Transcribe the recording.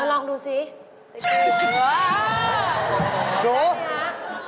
เอาลองดูสิเซ็กซี่ว้าว